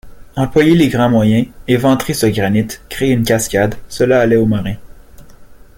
Employer les grands moyens, éventrer ce granit, créer une cascade, cela allait au marin